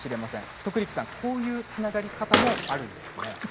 徳力さん、こういうつながり方もあるんですね。